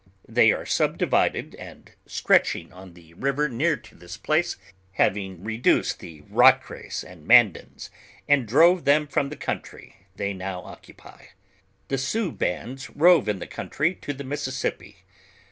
They a^e subdivided, and stretching on the river near to this place, having reduced the Racres and Mandans, and drove them from the country t they now occupy. "The Sioux bands rove in the country to the Mississippi.